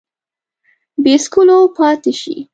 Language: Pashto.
بې څکلو پاته شي